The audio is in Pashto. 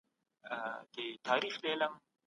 اثر په خپله یو ژوندئ موجود دئ.